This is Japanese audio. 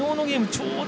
ちょうど